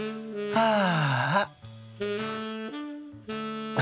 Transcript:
ああ。